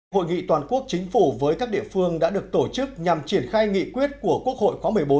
hội nghị toàn quốc chính phủ với các địa phương đã được tổ chức nhằm triển khai nghị quyết của quốc hội khóa một mươi bốn